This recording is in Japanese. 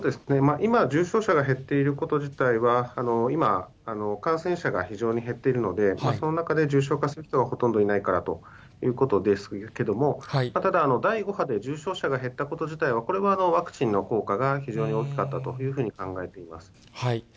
今、重症者が減っていること自体は、今、感染者が非常に減っているので、その中で重症化する人がほとんどいないからということですけれども、ただ、第５波で重症者が減ったこと自体は、これはワクチンの効果が非常に大きかったというふうに考えています。